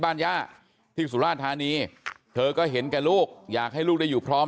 ย่าที่สุราธานีเธอก็เห็นแก่ลูกอยากให้ลูกได้อยู่พร้อม